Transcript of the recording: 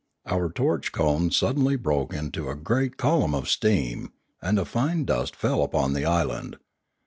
Our torch cone sud denly broke into a great column of steam, and a fine dust fell upon the island.